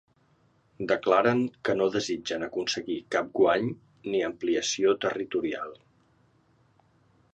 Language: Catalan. Declaren que no desitgen aconseguir cap guany ni ampliació territorial.